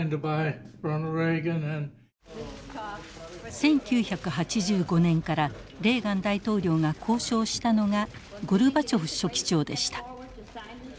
１９８５年からレーガン大統領が交渉したのがゴルバチョフ書記長でした。